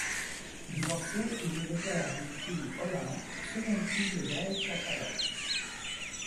Divorcé, il est le père d'une fille Olympe, seconde fille de Gaël Tchakaloff.